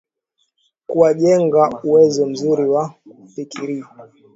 Kuwajenga uwezo mzuri wa kufikiri